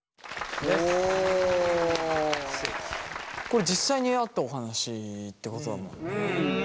これ実際にあったお話ってことだもんね。